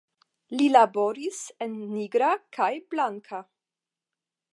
Li laboris en nigra kaj blanka.